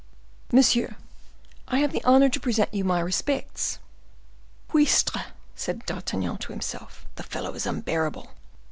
"Monsieur, I have the honor to present you my respects." "Cuistre!" said D'Artagnan to himself, "the fellow is unbearable."